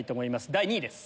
第２位です。